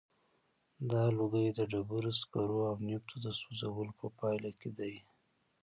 دا لوګی د ډبرو سکرو او نفتو د سوځولو په پایله کې دی.